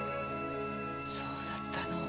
そうだったの。